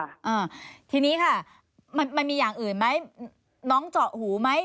อ่าทีนี้ค่ะมันมันมีอย่างอื่นไหมน้องเจาะหูไหม